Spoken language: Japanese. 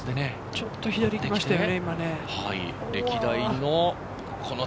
ちょっと左に行きましたね。